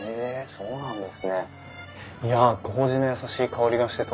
そうなんです。